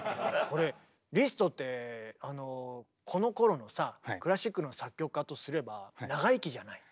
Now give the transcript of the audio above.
これリストってこのころのさクラシックの作曲家とすれば長生きじゃない。